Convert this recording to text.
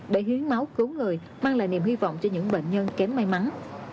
để hiến máu cứu người mang lại niềm hy vọng cho những bệnh nhân kém may mắn